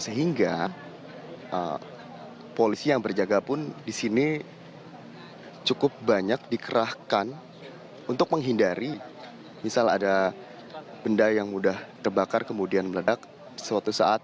sehingga polisi yang berjaga pun di sini cukup banyak dikerahkan untuk menghindari misal ada benda yang mudah terbakar kemudian meledak suatu saat